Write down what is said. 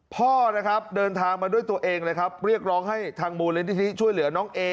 พ่อเดินทางมาด้วยตัวเองเรียกร้องให้ทางมูลนิธิช่วยเหลือน้องเอ